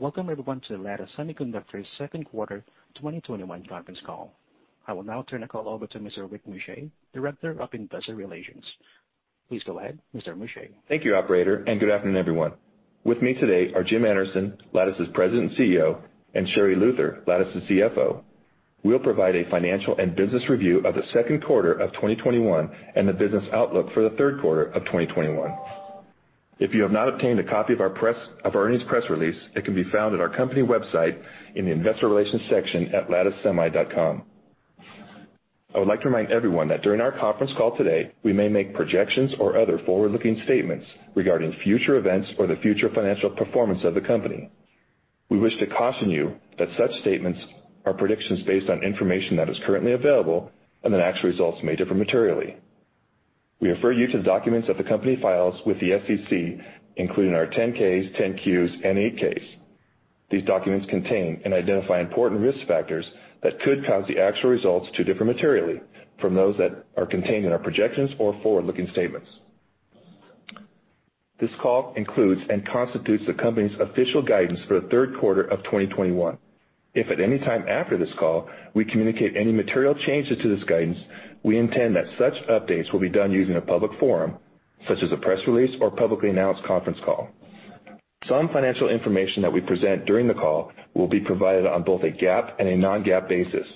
Welcome everyone to the Lattice Semiconductor second quarter 2021 conference call. I will now turn the call over to Mr. Rick Muscha, Director of Investor Relations. Please go ahead, Mr. Muscha. Thank you, operator, and good afternoon, everyone. With me today are Jim Anderson, Lattice's President and CEO, and Sherri Luther, Lattice's CFO. We'll provide a financial and business review of the second quarter of 2021, and the business outlook for the third quarter of 2021. If you have not obtained a copy of our earnings press release, it can be found at our company website in the investor relations section at latticesemi.com. I would like to remind everyone that during our conference call today, we may make projections or other forward-looking statements regarding future events or the future financial performance of the company. We wish to caution you that such statements are predictions based on information that is currently available, and that actual results may differ materially. We refer you to the documents that the company files with the SEC, including our 10-Ks, 10-Qs, and 8-Ks. These documents contain and identify important risk factors that could cause the actual results to differ materially from those that are contained in our projections or forward-looking statements. This call includes and constitutes the company's official guidance for the third quarter of 2021. If at any time after this call we communicate any material changes to this guidance, we intend that such updates will be done using a public forum, such as a press release or publicly announced conference call. Some financial information that we present during the call will be provided on both a GAAP and a non-GAAP basis.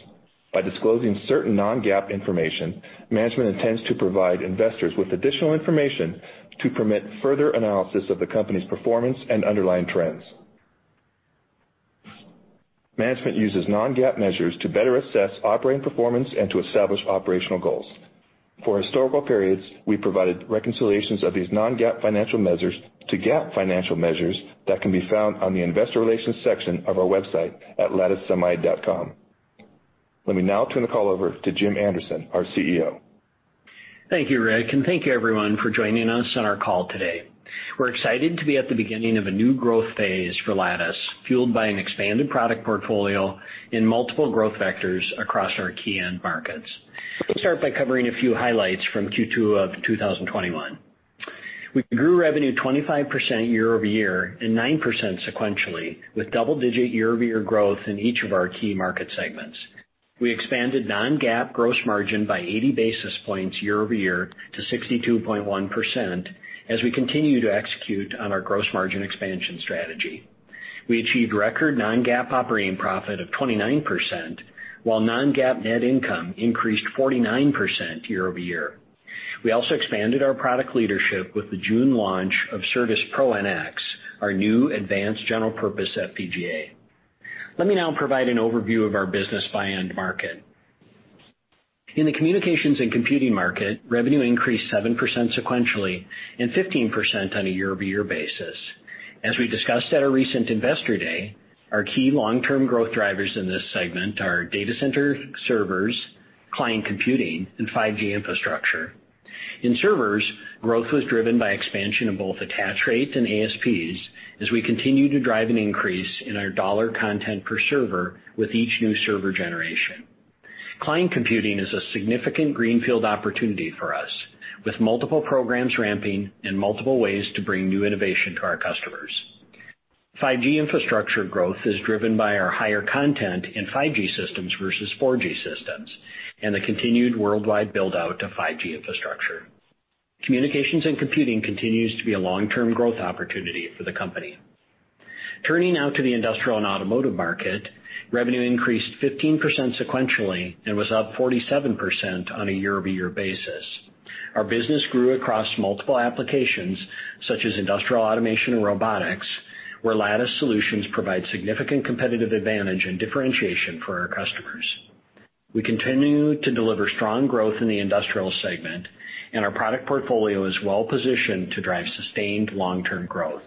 By disclosing certain non-GAAP information, management intends to provide investors with additional information to permit further analysis of the company's performance and underlying trends. Management uses non-GAAP measures to better assess operating performance and to establish operational goals. For historical periods, we provided reconciliations of these non-GAAP financial measures to GAAP financial measures that can be found on the investor relations section of our website at latticesemi.com. Let me now turn the call over to Jim Anderson, our CEO. Thank you, Rick, and thank you everyone for joining us on our call today. We're excited to be at the beginning of a new growth phase for Lattice, fueled by an expanded product portfolio in multiple growth vectors across our key end markets. Let me start by covering a few highlights from Q2 of 2021. We grew revenue 25% year-over-year and 9% sequentially, with double-digit year-over-year growth in each of our key market segments. We expanded non-GAAP gross margin by 80 basis points year-over-year to 62.1% as we continue to execute on our gross margin expansion strategy. We achieved record non-GAAP operating profit of 29%, while non-GAAP net income increased 49% year-over-year. We also expanded our product leadership with the June launch of CertusPro-NX, our new advanced general purpose FPGA. Let me now provide an overview of our business by end market. In the communications and computing market, revenue increased 7% sequentially and 15% on a year-over-year basis. As we discussed at our recent investor day, our key long-term growth drivers in this segment are data center servers, client computing, and 5G infrastructure. In servers, growth was driven by expansion of both attach rates and ASPs as we continue to drive an increase in our dollar content per server with each new server generation. Client computing is a significant greenfield opportunity for us, with multiple programs ramping and multiple ways to bring new innovation to our customers. 5G infrastructure growth is driven by our higher content in 5G systems versus 4G systems, and the continued worldwide build-out of 5G infrastructure. Communications and computing continues to be a long-term growth opportunity for the company. Turning now to the industrial and automotive market, revenue increased 15% sequentially and was up 47% on a year-over-year basis. Our business grew across multiple applications such as industrial automation and robotics, where Lattice solutions provide significant competitive advantage and differentiation for our customers. We continue to deliver strong growth in the industrial segment, and our product portfolio is well positioned to drive sustained long-term growth.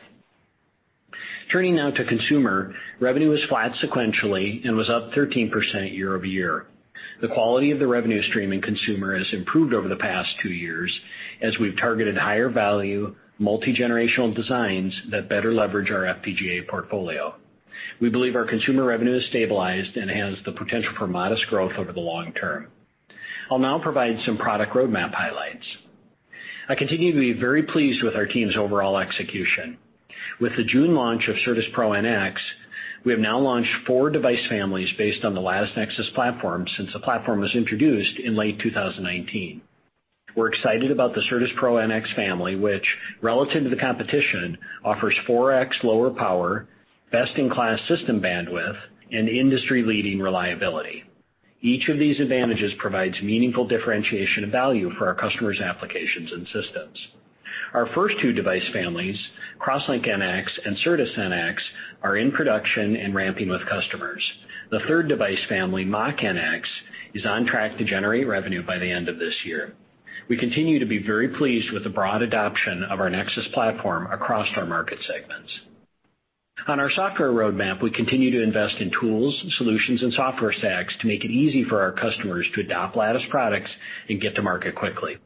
Turning now to consumer, revenue was flat sequentially and was up 13% year-over-year. The quality of the revenue stream in consumer has improved over the past two years as we've targeted higher value multi-generational designs that better leverage our FPGA portfolio. We believe our consumer revenue has stabilized and has the potential for modest growth over the long term. I'll now provide some product roadmap highlights. I continue to be very pleased with our team's overall execution. With the June launch of CertusPro-NX, we have now launched four device families based on the Lattice Nexus platform since the platform was introduced in late 2019. We're excited about the CertusPro-NX family, which relative to the competition, offers 4x lower power, best-in-class system bandwidth, and industry-leading reliability. Each of these advantages provides meaningful differentiation of value for our customers' applications and systems. Our first two device families, CrossLink-NX and Certus-NX, are in production and ramping with customers. The third device family, Mach-NX, is on track to generate revenue by the end of this year. We continue to be very pleased with the broad adoption of our Nexus platform across our market segments. On our software roadmap, we continue to invest in tools, solutions, and software stacks to make it easy for our customers to adopt Lattice products and get to market quickly.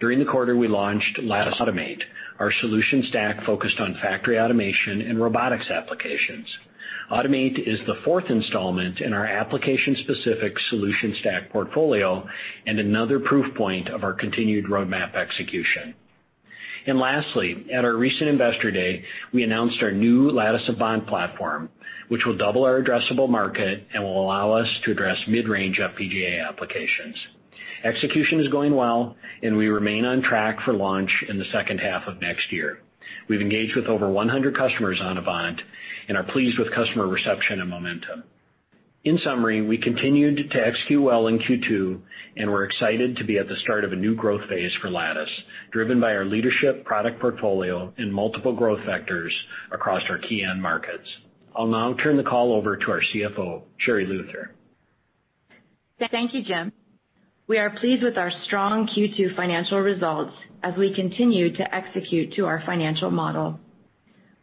During the quarter, we launched Lattice Automate, our solution stack focused on factory automation and robotics applications. Automate is the fourth installment in our application specific solution stack portfolio and another proof point of our continued roadmap execution. Lastly, at our recent investor day, we announced our new Lattice Avant platform, which will double our addressable market and will allow us to address mid-range FPGA applications. Execution is going well, and we remain on track for launch in the second half of next year. We've engaged with over 100 customers on Avant and are pleased with customer reception and momentum. In summary, we continued to execute well in Q2, and we're excited to be at the start of a new growth phase for Lattice, driven by our leadership product portfolio in multiple growth vectors across our key end markets. I'll now turn the call over to our CFO, Sherri Luther. Thank you, Jim. We are pleased with our strong Q2 financial results as we continue to execute to our financial model.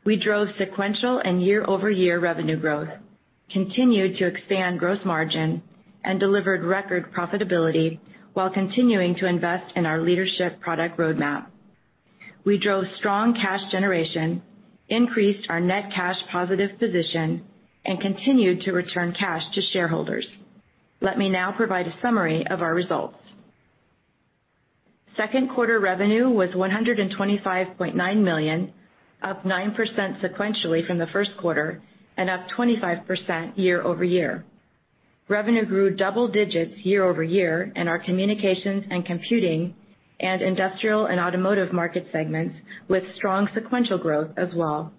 We drove sequential and year-over-year revenue growth, continued to expand gross margin, and delivered record profitability while continuing to invest in our leadership product roadmap. We drove strong cash generation, increased our net cash positive position, and continued to return cash to shareholders. Let me now provide a summary of our results. Second quarter revenue was $125.9 million, up 9% sequentially from the first quarter, and up 25% year-over-year. Revenue grew double digits year-over-year in our communications and computing and industrial and automotive market segments, with strong sequential growth as well.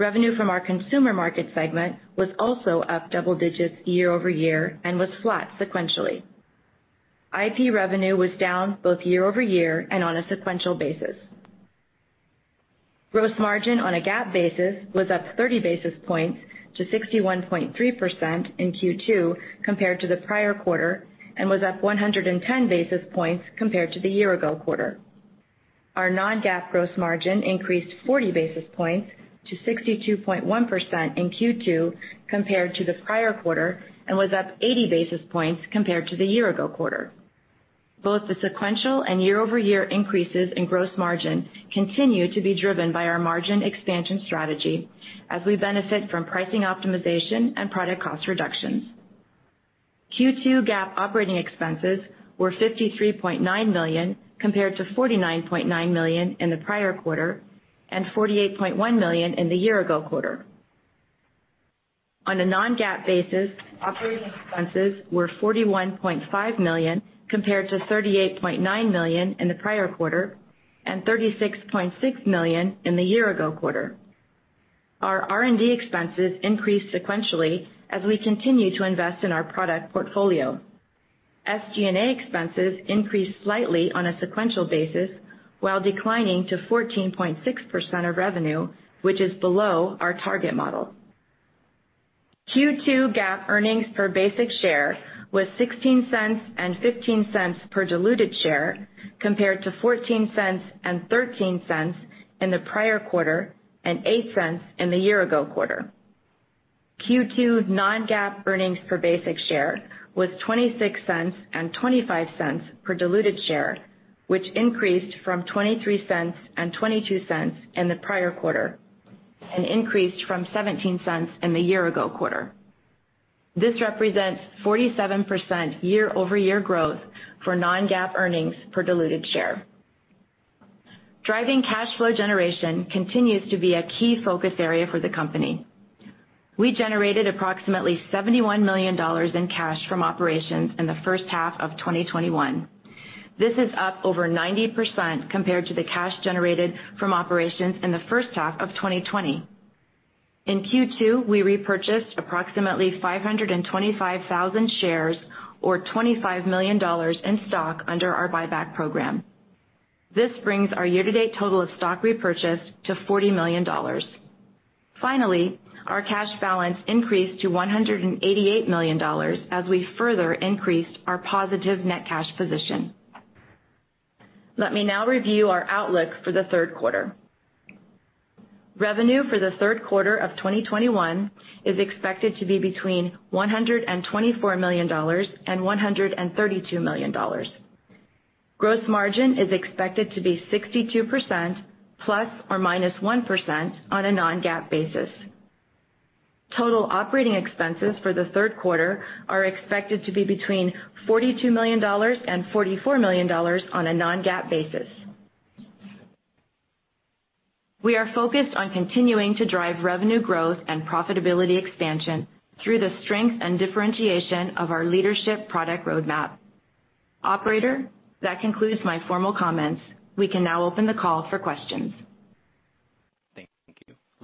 Revenue from our consumer market segment was also up double digits year-over-year and was flat sequentially. IP revenue was down both year-over-year and on a sequential basis. Gross margin on a GAAP basis was up 30 basis points to 61.3% in Q2 compared to the prior quarter and was up 110 basis points compared to the year-ago quarter. Our non-GAAP gross margin increased 40 basis points to 62.1% in Q2 compared to the prior quarter and was up 80 basis points compared to the year-ago quarter. Both the sequential and year-over-year increases in gross margin continue to be driven by our margin expansion strategy as we benefit from pricing optimization and product cost reductions. Q2 GAAP operating expenses were $53.9 million compared to $49.9 million in the prior quarter and $48.1 million in the year-ago quarter. On a non-GAAP basis, operating expenses were $41.5 million compared to $38.9 million in the prior quarter and $36.6 million in the year-ago quarter. Our R&D expenses increased sequentially as we continue to invest in our product portfolio. SG&A expenses increased slightly on a sequential basis, while declining to 14.6% of revenue, which is below our target model. Q2 GAAP earnings per basic share was $0.16 and $0.15 per diluted share, compared to $0.14 and $0.13 in the prior quarter, and $0.08 in the year-ago quarter. Q2 non-GAAP earnings per basic share was $0.26 and $0.25 per diluted share, which increased from $0.23 and $0.22 in the prior quarter and increased from $0.17 in the year-ago quarter. This represents 47% year-over-year growth for non-GAAP earnings per diluted share. Driving cash flow generation continues to be a key focus area for the company. We generated approximately $71 million in cash from operations in the first half of 2021. This is up over 90% compared to the cash generated from operations in the first half of 2020. In Q2, we repurchased approximately 525,000 shares or $25 million in stock under our buyback program. This brings our year-to-date total of stock repurchase to $40 million. Finally, our cash balance increased to $188 million as we further increased our positive net cash position. Let me now review our outlook for the third quarter. Revenue for the third quarter of 2021 is expected to be between $124 million and $132 million. Gross margin is expected to be 62% ±1% on a non-GAAP basis. Total operating expenses for the third quarter are expected to be between $42 million and $44 million on a non-GAAP basis. We are focused on continuing to drive revenue growth and profitability expansion through the strength and differentiation of our leadership product roadmap. Operator, that concludes my formal comments. We can now open the call for questions.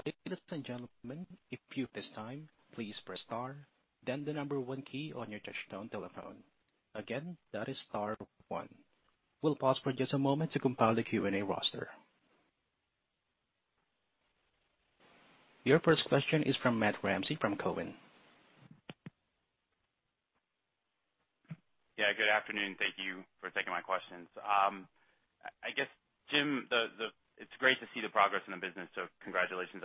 Thank you. Ladies and gentlemen, if you, at this time, please press star, then the one key on your touchtone telephone. Again, that is star one. We'll pause for just a moment to compile the Q&A roster. Your first question is from Matt Ramsay from Cowen. Yeah, good afternoon. Thank you for taking my questions. I guess, Jim, it's great to see the progress in the business, so congratulations.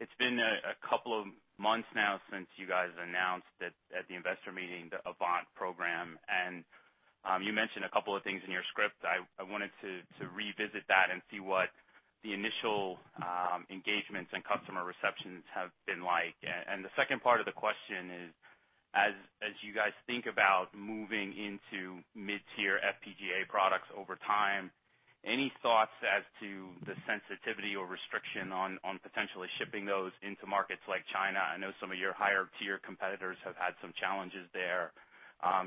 It's been a couple of months now since you guys announced at the investor meeting the Lattice Avant program, and you mentioned a couple of things in your script. I wanted to revisit that and see what the initial engagements and customer receptions have been like. The second part of the question is, as you guys think about moving into mid-tier FPGA products over time, any thoughts as to the sensitivity or restriction on potentially shipping those into markets like China? I know some of your higher-tier competitors have had some challenges there.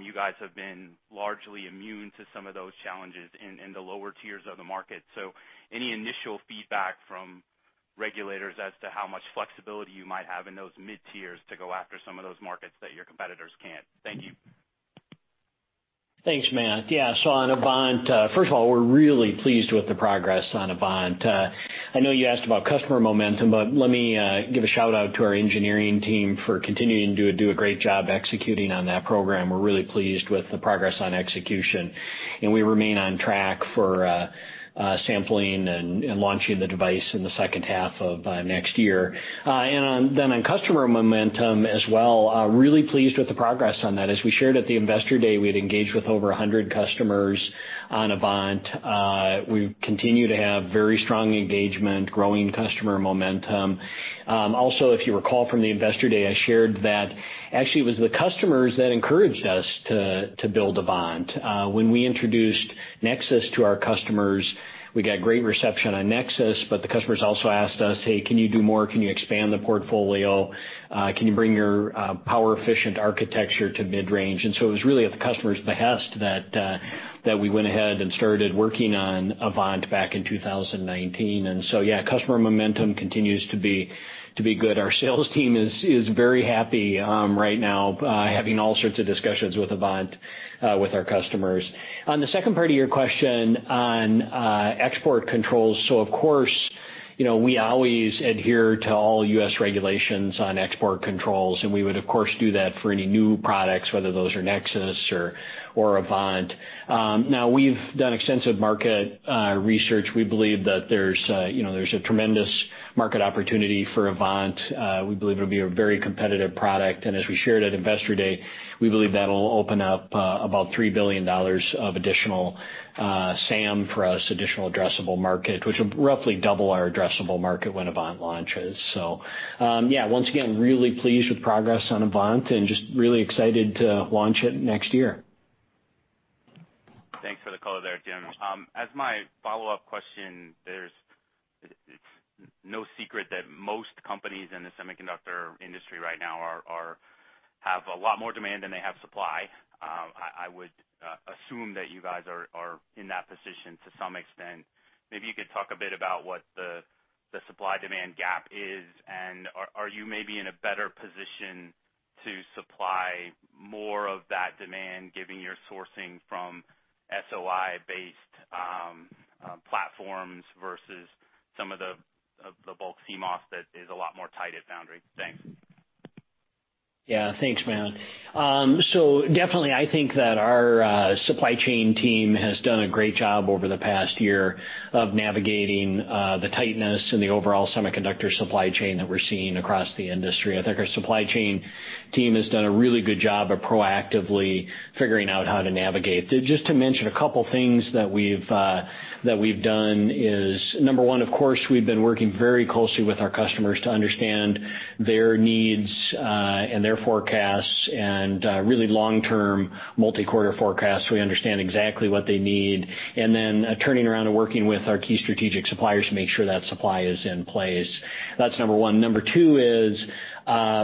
You guys have been largely immune to some of those challenges in the lower tiers of the market. Any initial feedback from regulators as to how much flexibility you might have in those mid-tiers to go after some of those markets that your competitors can't? Thank you. Thanks, Matt. Yeah. On Avant, first of all, we're really pleased with the progress on Avant. I know you asked about customer momentum, but let me give a shout-out to our engineering team for continuing to do a great job executing on that program. We're really pleased with the progress on execution, we remain on track for sampling and launching the device in the second half of next year. On customer momentum as well, really pleased with the progress on that. As we shared at the investor day, we had engaged with over 100 customers on Avant. We continue to have very strong engagement, growing customer momentum. Also, if you recall from the investor day, I shared that actually it was the customers that encouraged us to build Avant. When we introduced Nexus to our customers, we got great reception on Nexus. The customers also asked us, "Hey, can you do more? Can you expand the portfolio? Can you bring your power-efficient architecture to mid-range?" It was really at the customer's behest that we went ahead and started working on Avant back in 2019. Yeah, customer momentum continues to be good. Our sales team is very happy right now having all sorts of discussions with Avant with our customers. On the second part of your question on export controls. Of course, we always adhere to all U.S. regulations on export controls. We would of course, do that for any new products, whether those are Nexus or Avant. Now, we've done extensive market research. We believe that there's a tremendous market opportunity for Avant. We believe it'll be a very competitive product. As we shared at Investor Day, we believe that'll open up about $3 billion of additional SAM for us, additional addressable market, which will roughly double our addressable market when Avant launches. Yeah, once again, really pleased with progress on Avant, and just really excited to launch it next year. Thanks for the color there, Jim. As my follow-up question, it's no secret that most companies in the semiconductor industry right now have a lot more demand than they have supply. I would assume that you guys are in that position to some extent. Maybe you could talk a bit about what the supply-demand gap is, and are you maybe in a better position to supply more of that demand given your sourcing from SOI-based platforms versus some of the bulk CMOS that is a lot more tight at foundry? Thanks. Yeah. Thanks, Matt. Definitely I think that our supply chain team has done a great job over the past year of navigating the tightness in the overall semiconductor supply chain that we're seeing across the industry. I think our supply chain team has done a really good job of proactively figuring out how to navigate. Just to mention a couple things that we've done is, number one, of course, we've been working very closely with our customers to understand their needs, and their forecasts, and really long-term multi-quarter forecasts. We understand exactly what they need. Then turning around and working with our key strategic suppliers to make sure that supply is in place. That's number one. Number two is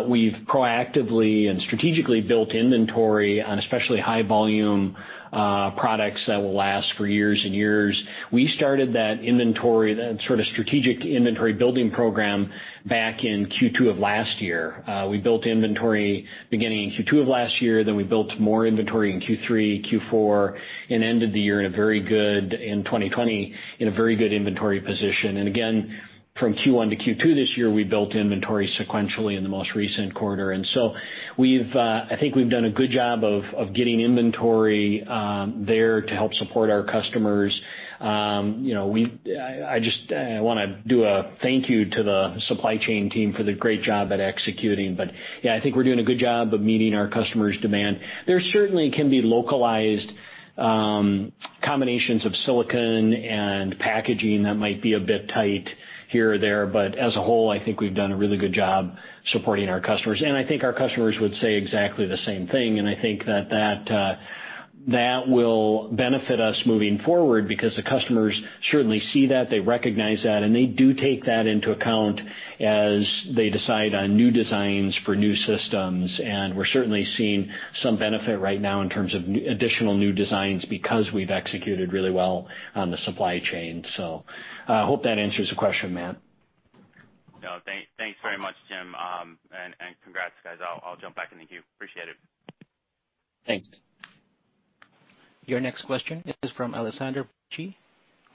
we've proactively and strategically built inventory on especially high-volume products that will last for years and years. We started that inventory, that sort of strategic inventory building program, back in Q2 of last year. We built inventory beginning in Q2 of last year, we built more inventory in Q3, Q4, and ended the year in 2020 in a very good inventory position. Again, from Q1 to Q2 this year, we built inventory sequentially in the most recent quarter. I think we've done a good job of getting inventory there to help support our customers. I want to do a thank you to the supply chain team for the great job at executing. Yeah, I think we're doing a good job of meeting our customers' demand. There certainly can be localized combinations of silicon and packaging that might be a bit tight here or there, but as a whole, I think we've done a really good job supporting our customers. I think our customers would say exactly the same thing, and I think that will benefit us moving forward because the customers certainly see that, they recognize that, and they do take that into account as they decide on new designs for new systems. We're certainly seeing some benefit right now in terms of additional new designs because we've executed really well on the supply chain. I hope that answers the question, Matt. No, thanks very much, Jim, and congrats, guys. I'll jump back in the queue. Appreciate it. Thanks. Your next question is from Alessandra Vecchi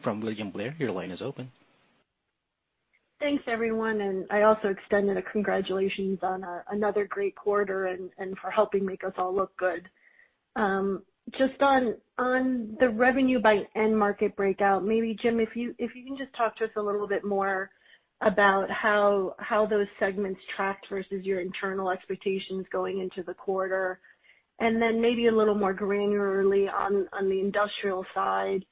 from William Blair. Your line is open. Thanks, everyone. I also extend a congratulations on another great quarter and for helping make us all look good. Just on the revenue by end market breakout, maybe Jim, if you can just talk to us a little bit more about how those segments tracked versus your internal expectations going into the quarter, and then maybe a little more granularly on the industrial side.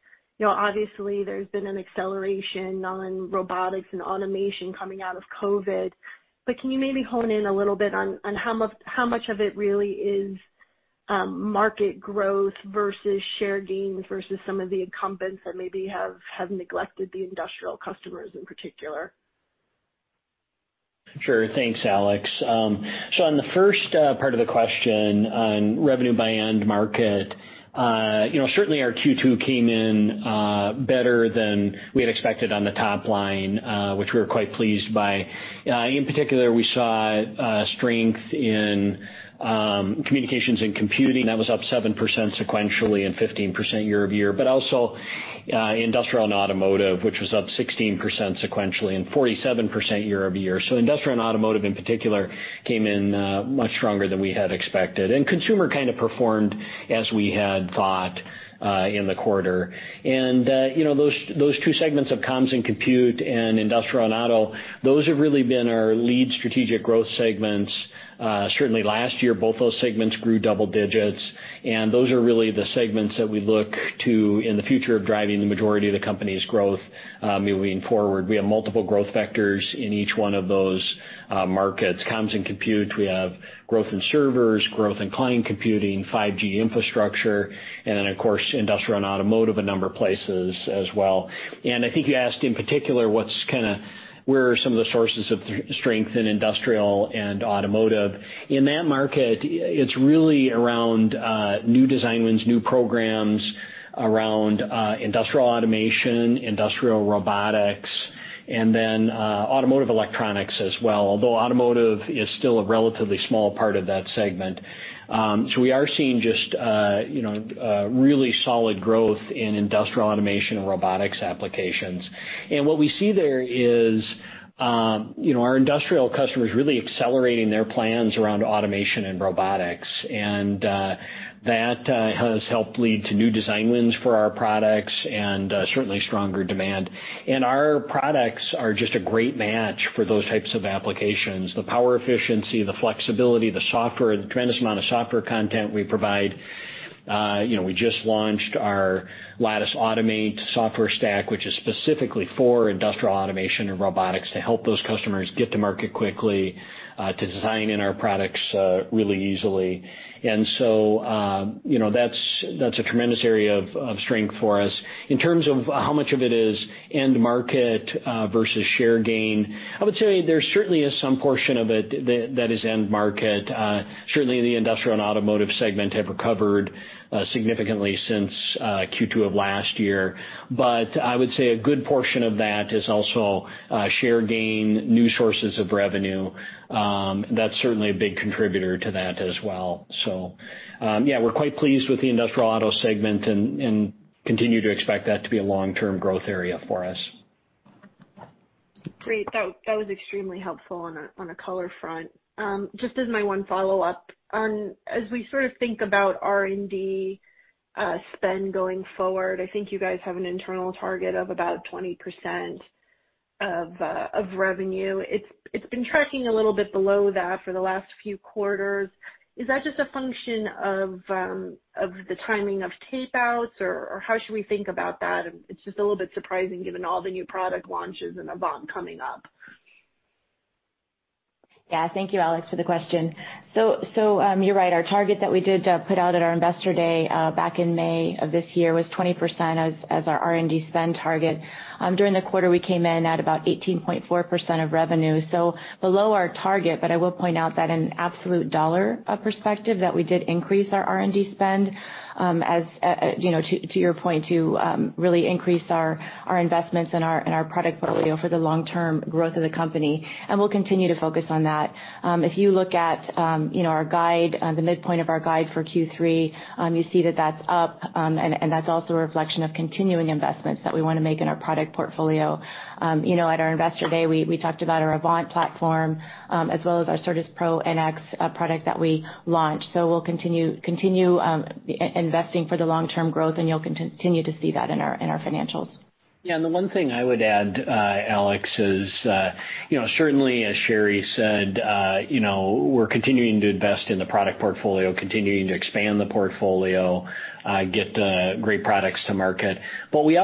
Obviously, there's been an acceleration on robotics and automation coming out of COVID. Can you maybe hone in a little bit on how much of it really is market growth versus share gains versus some of the incumbents that maybe have neglected the industrial customers in particular? Sure. Thanks, Alex. On the first part of the question on revenue by end market, certainly our Q2 came in better than we had expected on the top line, which we were quite pleased by. In particular, we saw strength in communications and computing. That was up 7% sequentially and 15% year-over-year, also industrial and automotive, which was up 16% sequentially and 47% year-over-year. Industrial and automotive in particular came in much stronger than we had expected. Consumer kind of performed as we had thought in the quarter. Those two segments of comms and compute and industrial and auto, those have really been our lead strategic growth segments. Certainly last year, both those segments grew double digits, those are really the segments that we look to in the future of driving the majority of the company's growth moving forward. We have multiple growth vectors in each one of those markets. Comms and compute, we have growth in servers, growth in client computing, 5G infrastructure, of course, industrial and automotive, a number of places as well. I think you asked in particular where are some of the sources of strength in industrial and automotive. In that market, it's really around new design wins, new programs around industrial automation, industrial robotics, automotive electronics as well, although automotive is still a relatively small part of that segment. We are seeing just really solid growth in industrial automation and robotics applications. What we see there is our industrial customers really accelerating their plans around automation and robotics, that has helped lead to new design wins for our products and certainly stronger demand. Our products are just a great match for those types of applications. The power efficiency, the flexibility, the software, the tremendous amount of software content we provide. We just launched our Lattice Automate software stack, which is specifically for industrial automation and robotics to help those customers get to market quickly, to design in our products really easily. That's a tremendous area of strength for us. In terms of how much of it is end market versus share gain, I would say there certainly is some portion of it that is end market. Certainly, the industrial and automotive segment have recovered significantly since Q2 of last year. I would say a good portion of that is also share gain, new sources of revenue. That's certainly a big contributor to that as well. Yeah, we're quite pleased with the industrial auto segment and continue to expect that to be a long-term growth area for us. Great. That was extremely helpful on a color front. As my one follow-up, as we sort of think about R&D spend going forward, I think you guys have an internal target of about 20% of revenue. It's been tracking a little bit below that for the last few quarters. Is that just a function of the timing of tapeouts, or how should we think about that? It's just a little bit surprising given all the new product launches and Avant coming up. Yeah. Thank you, Ales, for the question. You're right. Our target that we did put out at our investor day back in May of this year was 20% as our R&D spend target. During the quarter, we came in at about 18.4% of revenue, so below our target, but I will point out that in absolute dollar perspective, that we did increase our R&D spend, to your point, to really increase our investments in our product portfolio for the long-term growth of the company, and we'll continue to focus on that. If you look at the midpoint of our guide for Q3, you see that that's up, and that's also a reflection of continuing investments that we want to make in our product portfolio. At our investor day, we talked about our Avant platform, as well as our CertusPro-NX product that we launched. We'll continue investing for the long-term growth, and you'll continue to see that in our financials. Yeah, the one thing I would add, Alex, is certainly as Sherri said, we're continuing to invest in the product portfolio, continuing to expand the portfolio, get great products to market. When we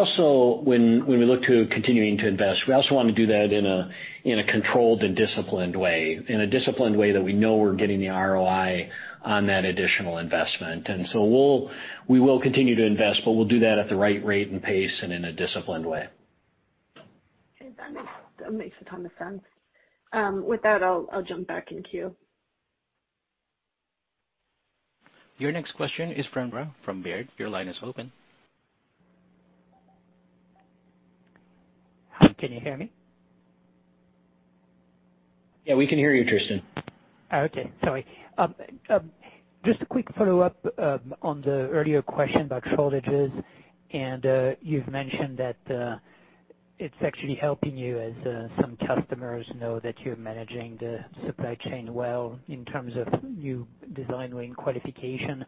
look to continuing to invest, we also want to do that in a controlled and disciplined way, in a disciplined way that we know we're getting the ROI on that additional investment. We will continue to invest, but we'll do that at the right rate and pace and in a disciplined way. That makes a ton of sense. With that, I'll jump back in queue. Your next question is from Tristan from Baird. Your line is open. Can you hear me? Yeah, we can hear you, Tristan. Okay. Sorry. Just a quick follow-up on the earlier question about shortages, and you've mentioned that it's actually helping you as some customers know that you're managing the supply chain well in terms of new design win qualification.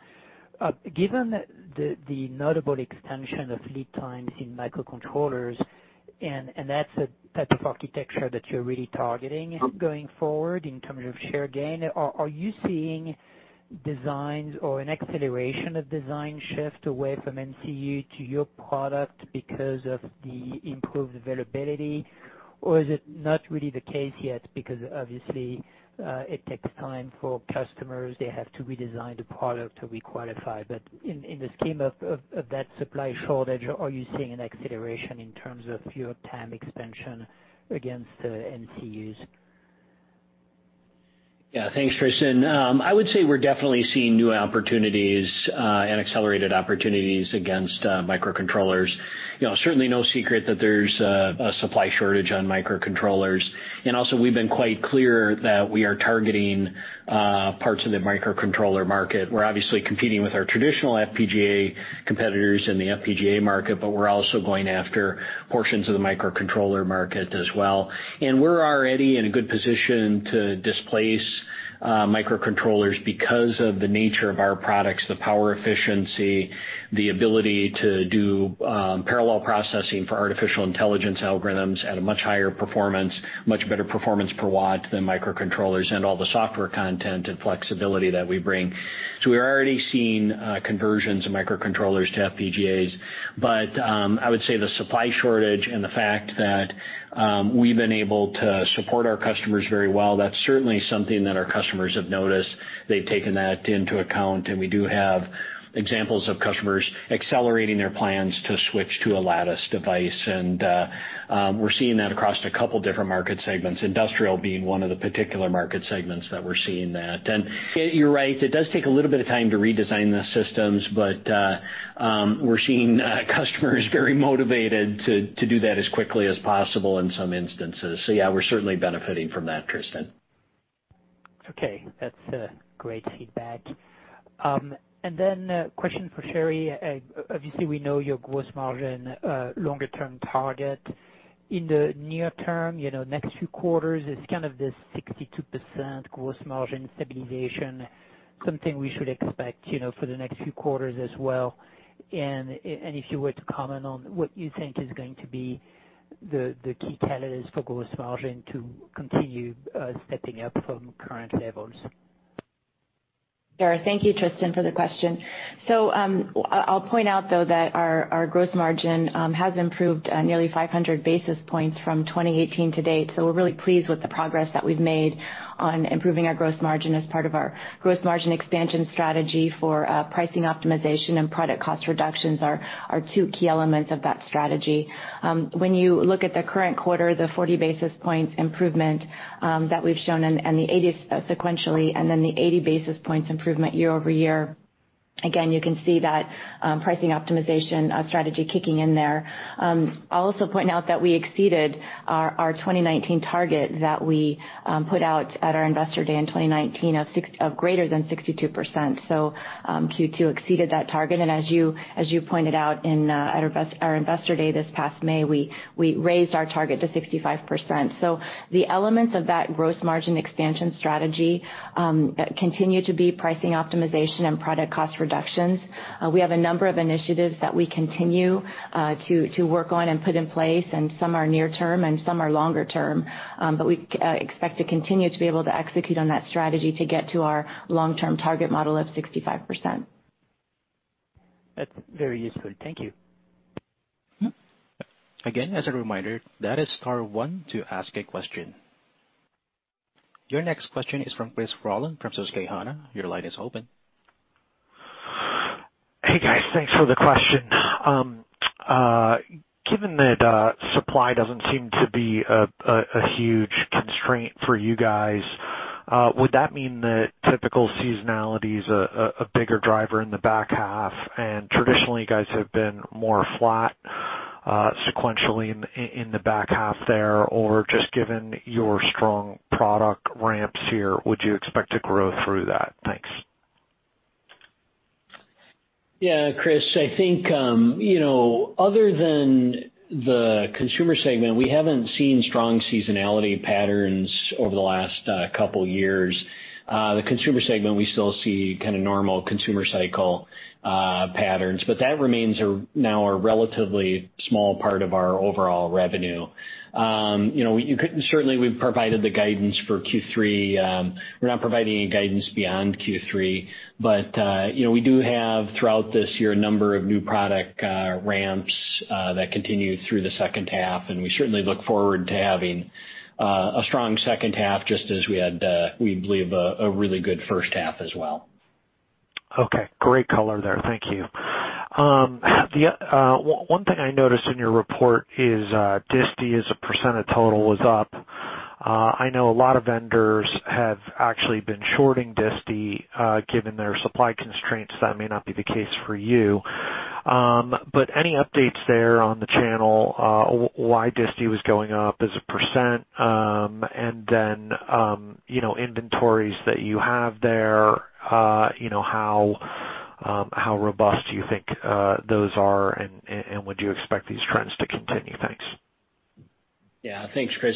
Given the notable extension of lead times in microcontrollers, and that's a type of architecture that you're really targeting going forward in terms of share gain, are you seeing designs or an acceleration of design shift away from MCU to your product because of the improved availability, or is it not really the case yet because obviously, it takes time for customers, they have to redesign the product to requalify. In the scheme of that supply shortage, are you seeing an acceleration in terms of your TAM expansion against MCUs? Yeah. Thanks, Tristan. I would say we're definitely seeing new opportunities and accelerated opportunities against microcontrollers. Certainly no secret that there's a supply shortage on microcontrollers. Also we've been quite clear that we are targeting parts of the microcontroller market. We're obviously competing with our traditional FPGA competitors in the FPGA market, but we're also going after portions of the microcontroller market as well. We're already in a good position to displace microcontrollers because of the nature of our products, the power efficiency, the ability to do parallel processing for artificial intelligence algorithms at a much higher performance, much better performance per watt than microcontrollers, and all the software content and flexibility that we bring. We're already seeing conversions of microcontrollers to FPGAs. I would say the supply shortage and the fact that we've been able to support our customers very well, that's certainly something that our customers have noticed. They've taken that into account, and we do have examples of customers accelerating their plans to switch to a Lattice device. We're seeing that across a couple different market segments, industrial being one of the particular market segments that we're seeing that. You're right, it does take a little bit of time to redesign the systems, but we're seeing customers very motivated to do that as quickly as possible in some instances. Yeah, we're certainly benefiting from that, Tristan. Okay. That's great feedback. A question for Sherri. Obviously, we know your gross margin, longer-term target. In the near term, next few quarters is kind of this 62% gross margin stabilization something we should expect for the next few quarters as well. If you were to comment on what you think is going to be the key catalyst for gross margin to continue stepping up from current levels. Sure. Thank you, Tristan, for the question. I'll point out, though, that our gross margin has improved nearly 500 basis points from 2018 to date. We're really pleased with the progress that we've made on improving our gross margin as part of our gross margin expansion strategy for pricing optimization and product cost reductions are our two key elements of that strategy. When you look at the current quarter, the 40 basis points improvement that we've shown sequentially, and then the 80 basis points improvement year-over-year, again, you can see that pricing optimization strategy kicking in there. I'll also point out that we exceeded our 2019 target that we put out at our Investor Day in 2019 of greater than 62%. Q2 exceeded that target, and as you pointed out at our Investor Day this past May, we raised our target to 65%. The elements of that gross margin expansion strategy continue to be pricing optimization and product cost reductions. We have a number of initiatives that we continue to work on and put in place, and some are near term and some are longer term. We expect to continue to be able to execute on that strategy to get to our long-term target model of 65%. That's very useful. Thank you. Again, as a reminder, star one to ask a question. Your next question is from Chris Rolland from Susquehanna. Your line is open. Hey, guys. Thanks for the question. Given that supply doesn't seem to be a huge constraint for you guys, would that mean that typical seasonality is a bigger driver in the back half? Traditionally, you guys have been more flat sequentially in the back half there, or just given your strong product ramps here, would you expect to grow through that? Thanks. Yeah, Chris, I think, other than the consumer segment, we haven't seen strong seasonality patterns over the last couple years. The consumer segment, we still see kind of normal consumer cycle patterns, but that remains now a relatively small part of our overall revenue. Certainly, we've provided the guidance for Q3. We're not providing any guidance beyond Q3. We do have throughout this year a number of new product ramps that continue through the second half, and we certainly look forward to having a strong second half, just as we had, we believe, a really good first half as well. Okay. Great color there. Thank you. One thing I noticed in your report is distie as a percentage of total was up. I know a lot of vendors have actually been shorting distie given their supply constraints. That may not be the case for you. But any updates there on the channel, why distie was going up as a percentage, and then inventories that you have there, How robust do you think those are, and would you expect these trends to continue? Thanks. Thanks, Chris.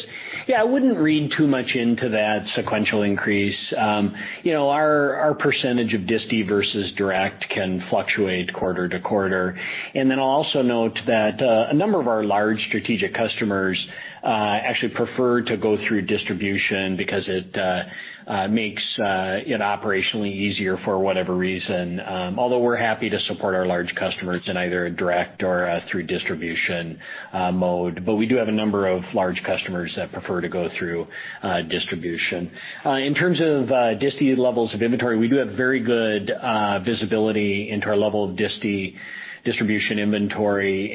I wouldn't read too much into that sequential increase. Our percentage of disti versus direct can fluctuate quarter to quarter. I'll also note that a number of our large strategic customers actually prefer to go through distribution because it makes it operationally easier for whatever reason. Although we're happy to support our large customers in either a direct or a through distribution mode. We do have a number of large customers that prefer to go through distribution. In terms of disti levels of inventory, we do have very good visibility into our level of disti distribution inventory.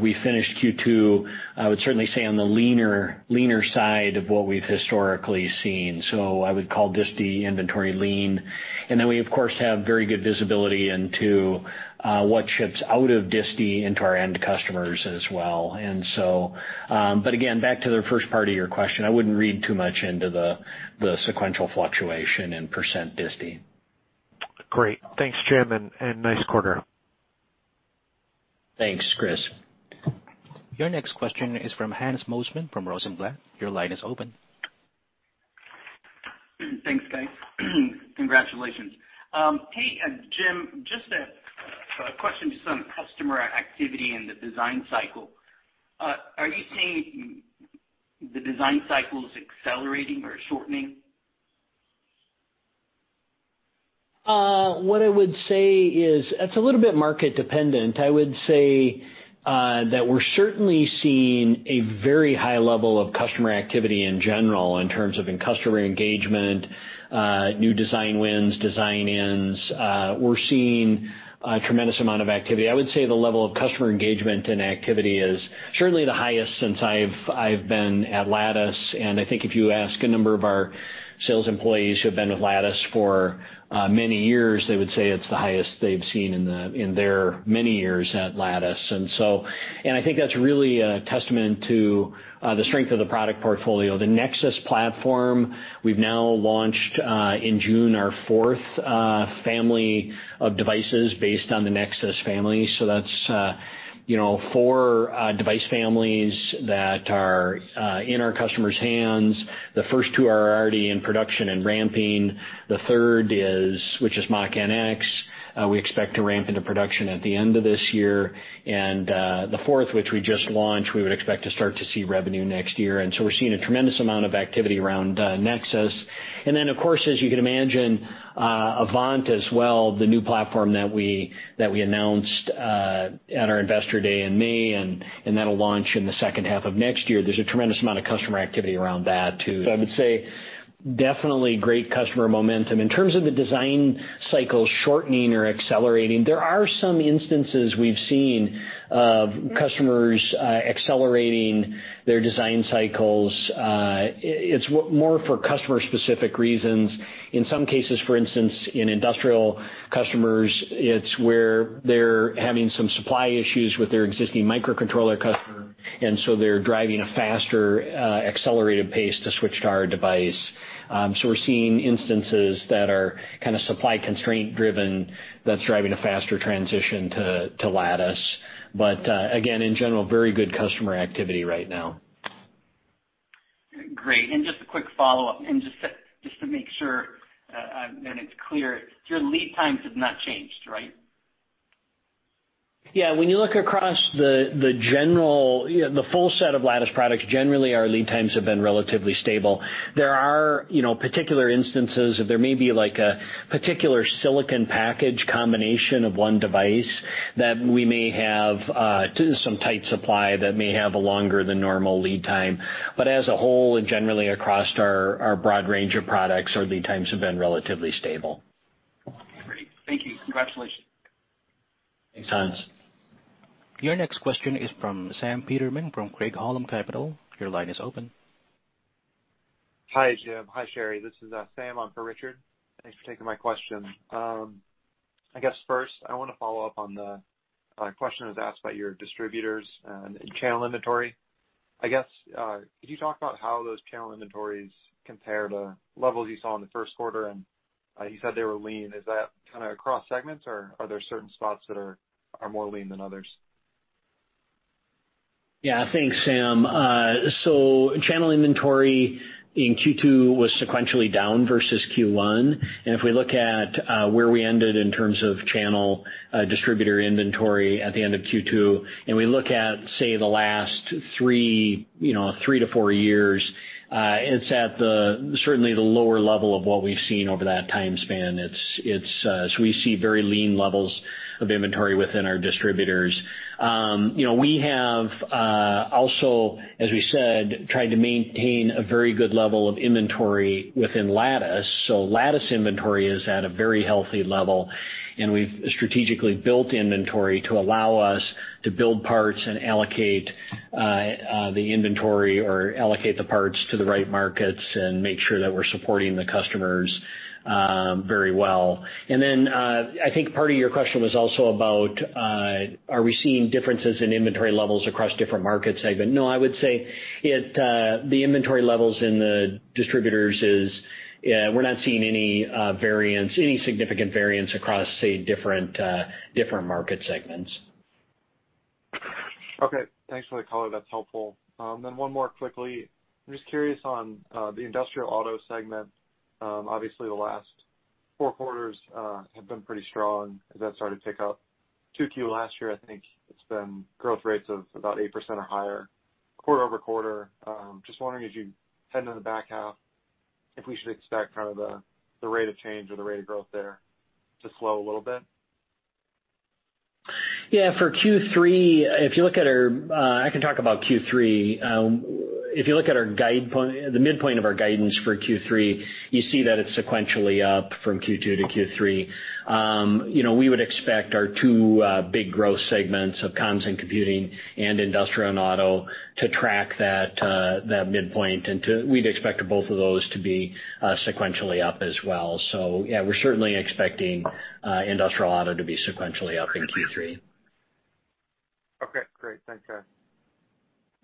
We finished Q2, I would certainly say, on the leaner side of what we've historically seen. I would call disti inventory lean. We, of course, have very good visibility into what ships out of disti into our end customers as well. Again, back to the first part of your question, I wouldn't read too much into the sequential fluctuation in percentage disti. Great. Thanks, Jim, and nice quarter. Thanks, Chris. Your next question is from Hans Mosesmann from Rosenblatt. Your line is open. Thanks, guys. Congratulations. Hey, Jim, just a question, just on customer activity in the design cycle. Are you seeing the design cycles accelerating or shortening? What I would say is, it's a little bit market dependent. I would say that we're certainly seeing a very high level of customer activity in general in terms of in customer engagement, new design wins, design-ins. We're seeing a tremendous amount of activity. I would say the level of customer engagement and activity is certainly the highest since I've been at Lattice, and I think if you ask a number of our sales employees who have been with Lattice for many years, they would say it's the highest they've seen in their many years at Lattice. I think that's really a testament to the strength of the product portfolio, the Nexus platform. We've now launched, in June, our fourth family of devices based on the Nexus family. That's four device families that are in our customers' hands. The first two are already in production and ramping. The third, which is Mach-NX, we expect to ramp into production at the end of this year. The fourth, which we just launched, we would expect to start to see revenue next year. We're seeing a tremendous amount of activity around Nexus. Then, of course, as you can imagine, Avant as well, the new platform that we announced at our investor day in May, and that'll launch in the second half of next year. There's a tremendous amount of customer activity around that, too. I would say, definitely great customer momentum. In terms of the design cycle shortening or accelerating, there are some instances we've seen of customers accelerating their design cycles. It's more for customer specific reasons. In some cases, for instance, in industrial customers, it's where they're having some supply issues with their existing microcontroller customer, and so they're driving a faster, accelerated pace to switch to our device. We're seeing instances that are kind of supply constraint driven that's driving a faster transition to Lattice. Again, in general, very good customer activity right now. Great. Just a quick follow-up, and just to make sure that it's clear, your lead times have not changed, right? Yeah. When you look across the full set of Lattice products, generally, our lead times have been relatively stable. There are particular instances, there may be like a particular silicon package combination of one device that we may have, to some tight supply that may have a longer than normal lead time. As a whole and generally across our broad range of products, our lead times have been relatively stable. Great. Thank you. Congratulations. Thanks, Hans. Your next question is from Sam Peterman from Craig-Hallum Capital. Your line is open. Hi, Jim. Hi, Sherri. This is Sam. I'm for Richard. Thanks for taking my question. I guess first I want to follow up on the question that was asked about your distributors and channel inventory. I guess, could you talk about how those channel inventories compare to levels you saw in the first quarter? You said they were lean. Is that kind of across segments, or are there certain spots that are more lean than others? Yeah. Thanks, Sam. Channel inventory in Q2 was sequentially down versus Q1. If we look at where we ended in terms of channel distributor inventory at the end of Q2, and we look at, say, the last three to four years, it's at certainly the lower level of what we've seen over that time span. We see very lean levels of inventory within our distributors. We have also, as we said, tried to maintain a very good level of inventory within Lattice. Lattice inventory is at a very healthy level, and we've strategically built inventory to allow us to build parts and allocate the inventory or allocate the parts to the right markets and make sure that we're supporting the customers very well. I think part of your question was also about, are we seeing differences in inventory levels across different market segments? No, I would say the inventory levels in the distributors is, we're not seeing any significant variance across, say, different market segments. Okay. Thanks for the color. That's helpful. One more quickly. I'm just curious on the industrial auto segment. The last four quarters have been pretty strong as that started to pick up. 2Q last year, I think it's been growth rates of about 8% or higher quarter-over-quarter. Wondering, as you head into the back half, if we should expect kind of the rate of change or the rate of growth there to slow a little bit. Yeah. I can talk about Q3. If you look at the midpoint of our guidance for Q3, you see that it's sequentially up from Q2 to Q3. We would expect our two big growth segments of comms and computing and industrial and auto to track that midpoint and we'd expect both of those to be sequentially up as well. Yeah, we're certainly expecting industrial auto to be sequentially up in Q3. Okay, great. Thanks, guys.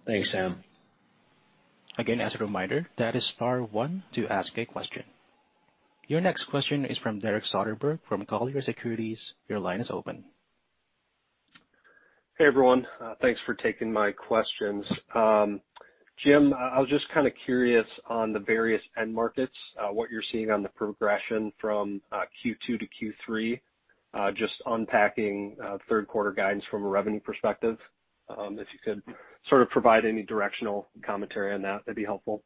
Thanks, Sam. Again, as a reminder, that is star one to ask a question. Your next question is from Derek Soderberg from Colliers Securities. Your line is open. Hey, everyone. Thanks for taking my questions. Jim, I was just kind of curious on the various end markets, what you're seeing on the progression from Q2 to Q3. Just unpacking third quarter guidance from a revenue perspective. If you could sort of provide any directional commentary on that'd be helpful.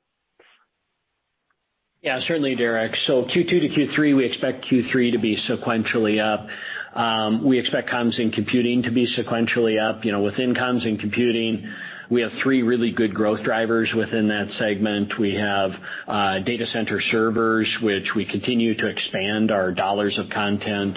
Yeah, certainly, Derek. Q2 to Q3, we expect Q3 to be sequentially up. We expect comms and computing to be sequentially up. Within comms and computing, we have three really good growth drivers within that segment. We have data center servers, which we continue to expand our dollars of content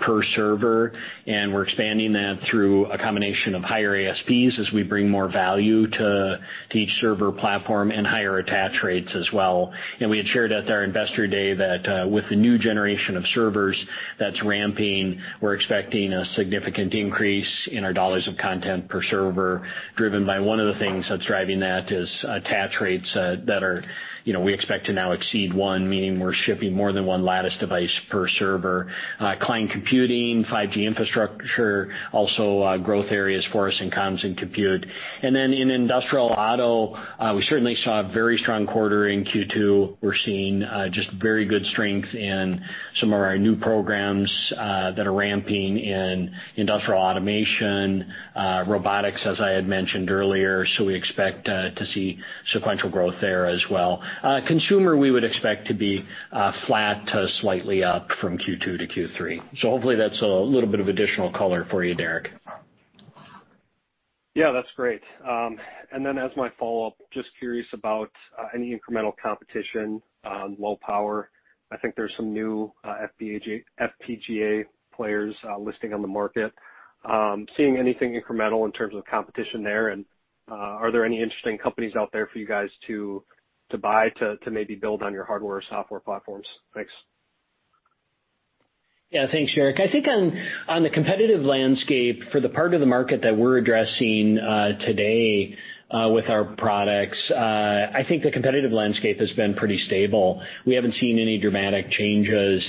per server, and we're expanding that through a combination of higher ASPs as we bring more value to each server platform and higher attach rates as well. We had shared at our investor day that with the new generation of servers that's ramping, we're expecting a significant increase in our dollars of content per server, driven by one of the things that's driving that is attach rates that we expect to now exceed one, meaning we're shipping more than one Lattice device per server. Client computing, 5G infrastructure, also growth areas for us in comms and compute. In industrial auto, we certainly saw a very strong quarter in Q2. We're seeing just very good strength in some of our new programs that are ramping in industrial automation, robotics, as I had mentioned earlier. We expect to see sequential growth there as well. Consumer, we would expect to be flat to slightly up from Q2 to Q3. Hopefully that's a little bit of additional color for you, Derek. Yeah, that's great. Then as my follow-up, just curious about any incremental competition on low power. I think there's some new FPGA players listing on the market. Seeing anything incremental in terms of competition there? Are there any interesting companies out there for you guys to buy to maybe build on your hardware or software platforms? Thanks. Yeah. Thanks, Derek. I think on the competitive landscape for the part of the market that we're addressing today with our products, I think the competitive landscape has been pretty stable. We haven't seen any dramatic changes.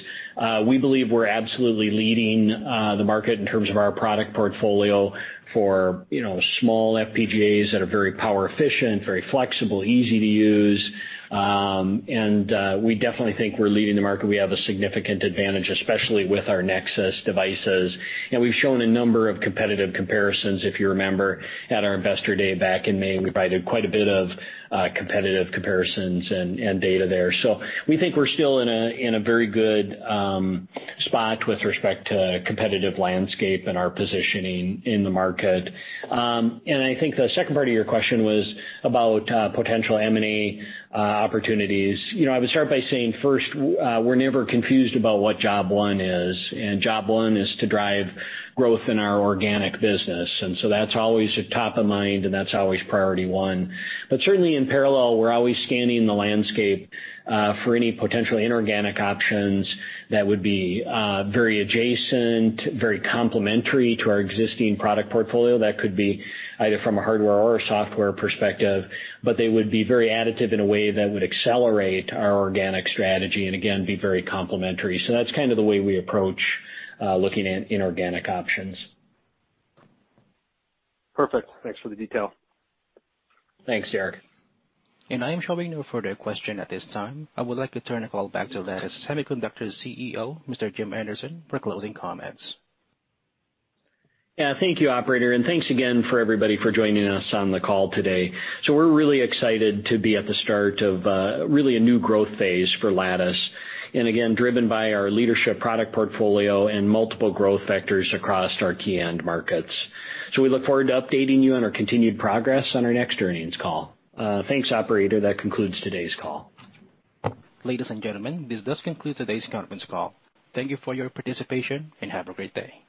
We believe we're absolutely leading the market in terms of our product portfolio for small FPGAs that are very power efficient, very flexible, easy to use. We definitely think we're leading the market. We have a significant advantage, especially with our Nexus devices. We've shown a number of competitive comparisons. If you remember, at our investor day back in May, we provided quite a bit of competitive comparisons and data there. We think we're still in a very good spot with respect to competitive landscape and our positioning in the market. I think the second part of your question was about potential M&A opportunities. I would start by saying, first, we're never confused about what job one is, and job one is to drive growth in our organic business. That's always top of mind, and that's always priority one. Certainly in parallel, we're always scanning the landscape for any potential inorganic options that would be very adjacent, very complementary to our existing product portfolio. That could be either from a hardware or a software perspective, but they would be very additive in a way that would accelerate our organic strategy and again, be very complementary. That's kind of the way we approach looking at inorganic options. Perfect. Thanks for the detail. Thanks, Derek. I am showing no further question at this time. I would like to turn the call back to Lattice Semiconductor CEO, Mr. Jim Anderson, for closing comments. Yeah. Thank you, operator, and thanks again for everybody for joining us on the call today. We're really excited to be at the start of really a new growth phase for Lattice, and again, driven by our leadership product portfolio and multiple growth vectors across our key end markets. We look forward to updating you on our continued progress on our next earnings call. Thanks, operator. That concludes today's call. Ladies and gentlemen, this does conclude today's conference call. Thank you for your participation, and have a great day.